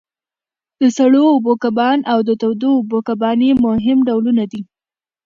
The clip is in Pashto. د سړو اوبو کبان او د تودو اوبو کبان یې مهم ډولونه دي.